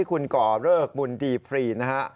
คุณก่อเริกบุญดีพรีนะฮะ